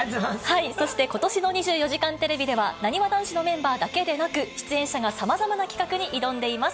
そして、ことしの２４時間テレビでは、なにわ男子のメンバーだけでなく、出演者がさまざまな企画に挑んでいます。